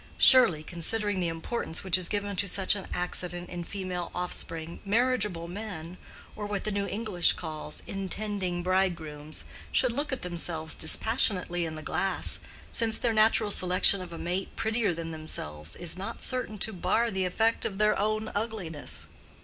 (Surely, considering the importance which is given to such an accident in female offspring, marriageable men, or what the new English calls "intending bridegrooms," should look at themselves dispassionately in the glass, since their natural selection of a mate prettier than themselves is not certain to bar the effect of their own ugliness.)